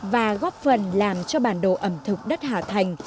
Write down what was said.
và góp phần làm cho bản đồ ẩm thực đất hà thành